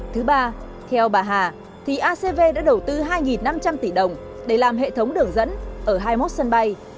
thứ ba theo bà hà thì acv đã đầu tư hai năm trăm linh tỷ đồng để làm hệ thống đường dẫn ở hai mươi một sân bay